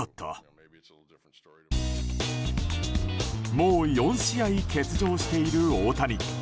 もう４試合欠場している大谷。